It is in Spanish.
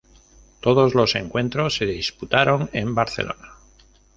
Todos los encuentros se disputaron en Barcelona.